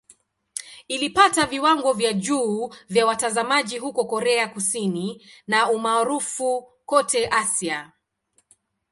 Ilipata viwango vya juu vya watazamaji huko Korea Kusini na umaarufu kote Asia.